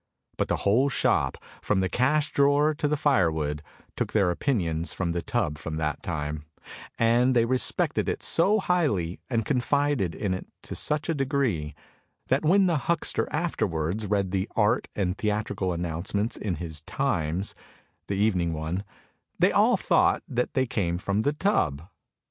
But the whole shop, from the cash drawer to the firewood, took their opinions from the tub from that time ; and they respected it so highly and confided in it to such a degree, that when the huckster afterwards read the Art and Theatrical announcements in his Times, the evening one, they all thought that they came from the tub.